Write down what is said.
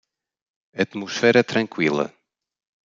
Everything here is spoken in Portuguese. Atmosfera tranquila